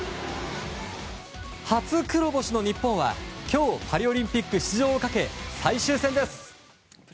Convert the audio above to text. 初黒星の日本は今日パリオリンピック出場をかけ最終戦です。